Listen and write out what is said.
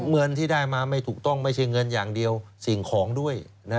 เงินที่ได้มาไม่ถูกต้องไม่ใช่เงินอย่างเดียวสิ่งของด้วย